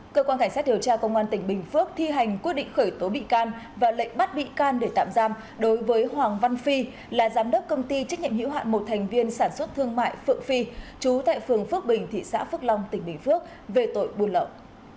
cơ quan cảnh sát điều tra công an tỉnh bình phước thi hành quyết định khởi tố bị can và lệnh bắt bị can để tạm giam đối với hoàng văn phi là giám đốc công ty trách nhiệm hữu hạn một thành viên sản xuất thương mại phượng phi chú tại phường phước bình thị xã phước long tỉnh bình phước về tội buôn lậu